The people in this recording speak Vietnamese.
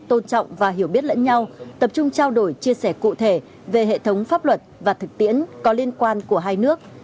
tôn trọng và hiểu biết lẫn nhau tập trung trao đổi chia sẻ cụ thể về hệ thống pháp luật và thực tiễn có liên quan của hai nước